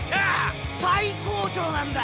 最高潮なんだ！